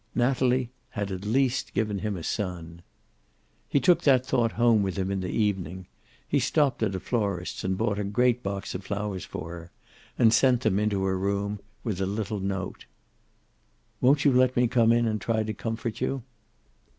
Natalie had at least given him a son. He took that thought home with him in the evening. He stopped at a florist's and bought a great box of flowers for her, and sent them into her room with a little note, "Won't you let me come in and try to comfort you?"